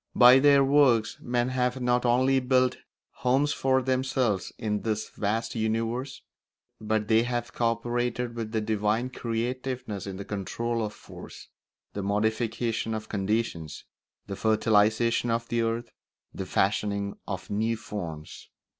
By their works men have not only built homes for themselves in this vast universe, but they have co operated with the divine creativeness in the control of force, the modification of conditions, the fertilisation of the earth, the fashioning of new forms.